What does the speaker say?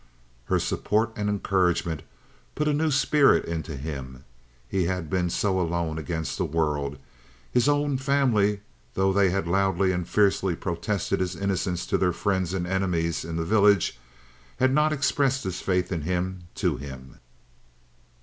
Her support and encouragement put a new spirit into him. He had been so alone against the world. His own family, though they had loudly and fiercely protested his innocence to their friends and enemies in the village, had not expressed this faith in him to him.